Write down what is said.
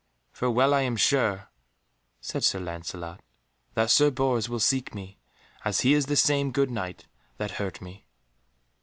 "For well I am sure," said Sir Lancelot, "that Sir Bors will seek me, as he is the same good Knight that hurt me."